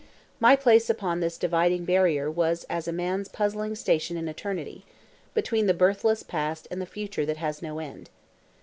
My place upon this dividing barrier was as a man's puzzling station in eternity, between the birthless past and the future that has no end.